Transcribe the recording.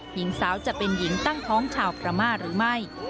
หญิงสาวจะเป็นหญิงตั้งท้องชาวประม่าหรือไม่